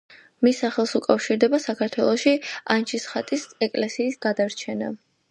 მის სახელს უკავშირდება საქართველოში ანჩისხატის ეკლესიის გადარჩენა.